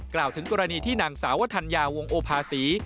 กล่าวถึงกรณีที่นางสาวธัญญาวงโอภาษี